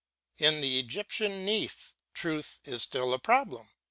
In the Egyptian Neith, Truth is still a problem.